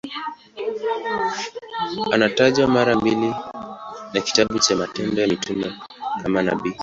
Anatajwa mara mbili na kitabu cha Matendo ya Mitume kama nabii.